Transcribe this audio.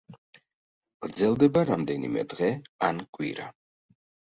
გრძელდება რამდენიმე დღე ან კვირა.